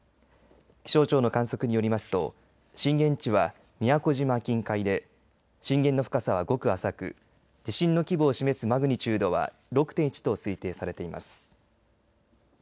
気象庁の観測によりますと震源地は宮古島近海で震源の深さは、ごく浅く地震の規模を示すマグニチュードは６．１と推定されています。